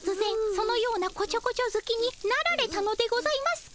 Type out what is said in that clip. そのようなこちょこちょずきになられたのでございますか？